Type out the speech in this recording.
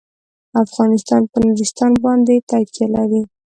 افغانستان په نورستان باندې تکیه لري.